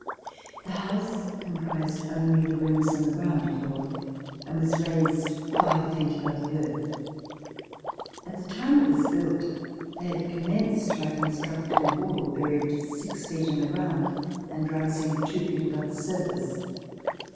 The house comprised only the rooms on the ground floor and was raised C 208 ] (DQM / 9 4 THE FARM NEAR ALBANY five feet above the earth. At the time it was built they had commenced by constructing a wall, buried six feet in the ground and rising two feet above the surface.